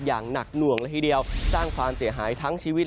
อย่างหนักหน่วงละทีเดียวสร้างความเสียหายทั้งชีวิต